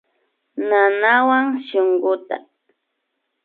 Nanawan shunkuta